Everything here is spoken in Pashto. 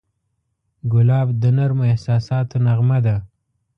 ګلاب د نرمو احساساتو نغمه ده.